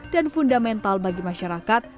dan fundamental bagi masyarakat